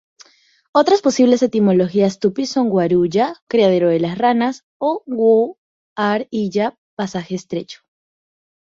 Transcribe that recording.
Otras posibles etimologías tupi son "Guaru-ya" "criadero de las ranas" o "Gu-ar-y-ya" "pasaje estrecho".